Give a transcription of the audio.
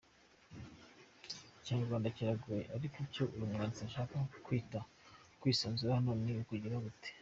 Ikinyarwanda kiragoye ariko icyo uyu mwanditsi ashaka kwita kwisanzura hano ni ukugira gute?